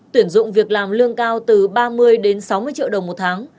tuyển dụng việc làm lương cao từ ba mươi đến sáu mươi triệu đồng một tháng